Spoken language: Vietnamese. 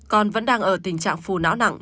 còn vẫn đang ở tình trạng phù não nặng